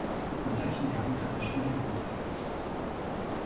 Im gleichen Jahr wurde eine Schule im Ort eingerichtet.